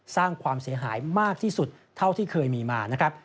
สร้างความเสียหายมากที่สุดเท่าที่เคยมีมานะครับ